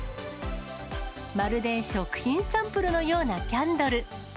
まるで食品サンプルのようなキャンドル。